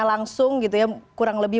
langsung gitu ya kurang lebih